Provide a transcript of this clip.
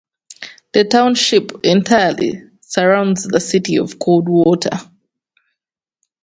The Township entirely surrounds the City of Coldwater.